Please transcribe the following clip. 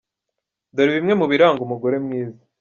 Dore bimwe mu biranga umugore mwiza :